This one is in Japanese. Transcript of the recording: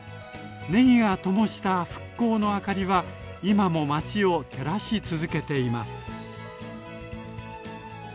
ねぎがともした復興の明かりは今も町を照らし続けています。